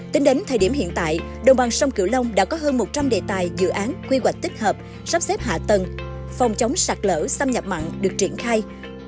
tính đến thời điểm hiện tại đồng bằng sông cửu long đã có hơn một trăm linh đề tài dự án quy hoạch tích hợp sắp xếp hạ tầng phòng chống sạt lỡ xâm nhập mặn được triển khai